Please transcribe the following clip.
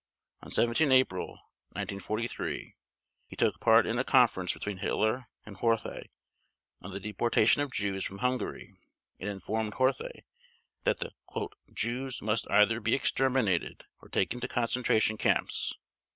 On 17 April 1943 he took part in a conference between Hitler and Horthy on the deportation of Jews from Hungary and informed Horthy that the "Jews must either be exterminated or taken to concentration camps."